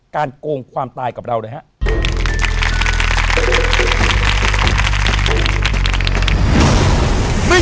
การโกงความตายกับเราด้วยฮะ